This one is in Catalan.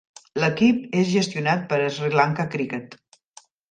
L'equip és gestionat per Sri Lanka Cricket.